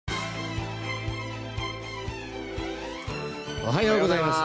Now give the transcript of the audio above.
おはようございます。